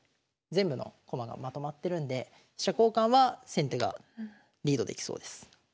全部の駒がまとまってるんで飛車交換は先手がリードできそうです。